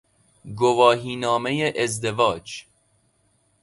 گواهی نامه ازدواج